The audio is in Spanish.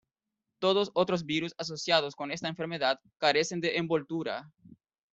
Todos otros virus asociados con esta enfermedad carecen de envoltura.